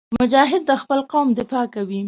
مجاهد د خپل قوم دفاع کوي.